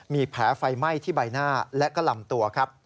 มีแผลไฟไหม้ที่ใบหน้าและก็ลำตัวครับ